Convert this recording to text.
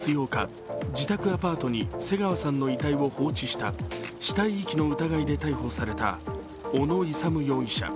今月８日、自宅アパートに瀬川さんの遺体を放置した死体遺棄の疑いで逮捕された小野勇容疑者。